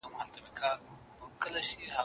د خوب مخکې فکر کم کړه